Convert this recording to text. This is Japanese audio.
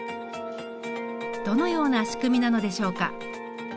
どのような仕組みなのでしょうか？